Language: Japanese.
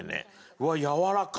うわっやわらか。